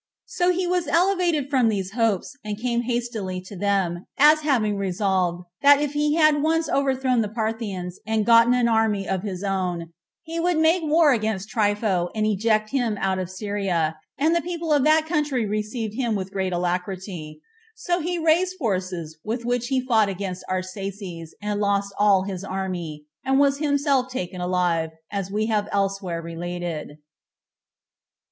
So he was elevated with these hopes, and came hastily to them, as having resolved, that if he had once overthrown the Parthians, and gotten an army of his own, he would make war against Trypho, and eject him out of Syria; and the people of that country received him with great alacrity. So he raised forces, with which he fought against Arsaces, and lost all his army, and was himself taken alive, as we have elsewhere related.